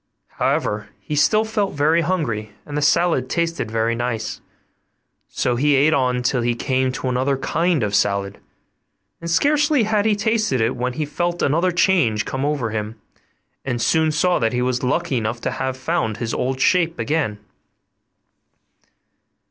However, he still felt very hungry, and the salad tasted very nice; so he ate on till he came to another kind of salad, and scarcely had he tasted it when he felt another change come over him, and soon saw that he was lucky enough to have found his old shape again.